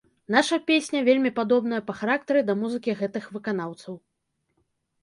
Наша песня вельмі падобная па характары да музыкі гэтых выканаўцаў.